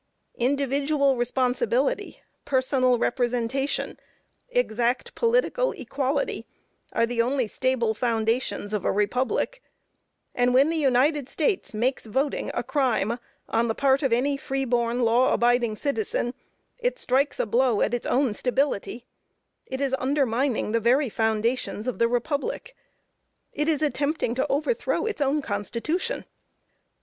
Individual responsibility, personal representation, exact political equality, are the only stable foundations of a republic, and when the United States makes voting a crime on the part of any free born, law abiding citizen, it strikes a blow at its own stability; it is undermining the very foundations of the republic it is attempting to overthrow its own Constitution.